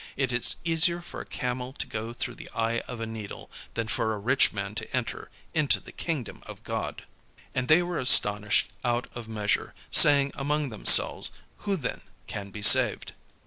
It is easier for a camel to go through the eye of a needle, than for a rich man to enter into the kingdom of God." And they were astonished out of measure, saying among themselves, "Who then can be saved?"